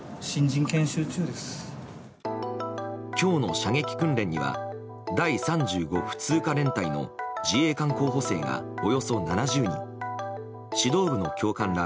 今日の射撃訓練には第３５普通科連隊の自衛官候補生がおよそ７０人指導部の教官ら